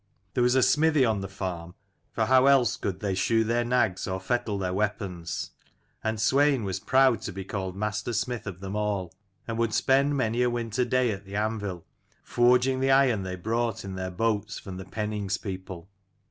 There was a smithy on the farm; for how else could they shoe their nags or fettle their weapons? and Swein was proud to be called master smith of them all, and would spend many a winter day at the anvil, forging the iron they brought in their boats from the Pennings' people.